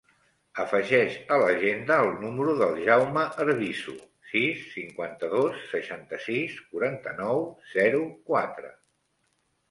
Afegeix a l'agenda el número del Jaume Arbizu: sis, cinquanta-dos, seixanta-sis, quaranta-nou, zero, quatre.